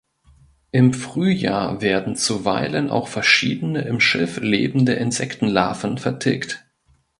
Im Frühjahr werden zuweilen auch verschiedene im Schilf lebende Insektenlarven vertilgt.